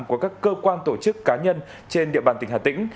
của các cơ quan tổ chức cá nhân trên địa bàn tỉnh hà tĩnh